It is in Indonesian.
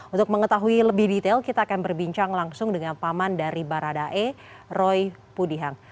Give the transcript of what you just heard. untuk mengetahui lebih detail kita akan berbincang langsung dengan paman dari baradae roy pudihang